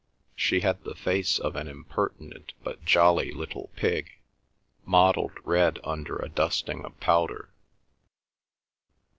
She had the face of an impertinent but jolly little pig, mottled red under a dusting of powder.